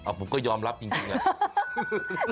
อ้าวผมก็ยอมรับจริงแล้ว